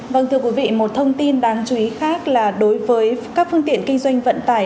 vâng thưa quý vị một thông tin đáng chú ý khác là đối với các phương tiện kinh doanh vận tải